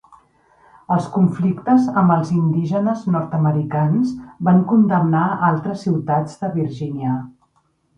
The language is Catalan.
Els conflictes amb els indígenes nord-americans van condemnar a altres ciutats de Virgínia.